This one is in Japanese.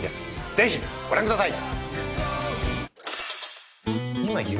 ぜひご覧ください！